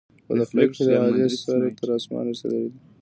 په بد اخلاقی کې د علي سر تر اسمانه رسېدلی دی.